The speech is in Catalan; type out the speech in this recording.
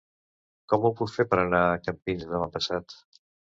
Com ho puc fer per anar a Campins demà passat?